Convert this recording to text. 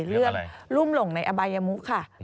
เรื่องรุ่มหลงในอบายมุค่ะ